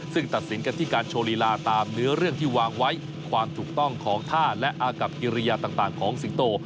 ซึ่งตัดสินกันที่การโชว์ลีลาตามเนื้อเรื่องที่วางไว้ความถูกต้องของท่าและอากับกิริยาต่างของสิงโต